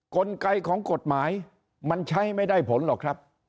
กลไกของกฎหมายมันใช้ไม่ได้ผลหรอกครับ